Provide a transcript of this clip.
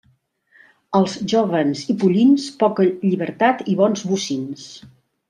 Als jóvens i pollins, poca llibertat i bons bocins.